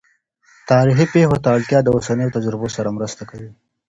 تاریخي پېښو ته اړتیا د اوسنیو تجربو سره مرسته کوي.